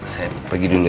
saya pergi dulu ya